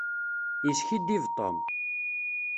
Yeskiddib Tom.